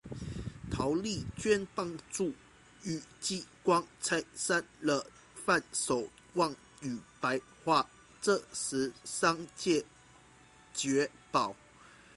陶莉娟帮助于继光拆散了范守望与白活这对商界孖宝。